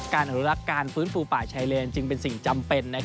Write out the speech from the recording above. อนุรักษ์การฟื้นฟูป่าชายเลนจึงเป็นสิ่งจำเป็น